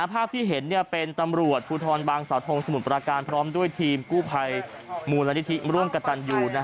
ภาพที่เห็นเป็นตำรวจภูทรบางสาวทงสมุทรประการพร้อมด้วยทีมกู้ภัยมูลนิธิร่วมกับตันยู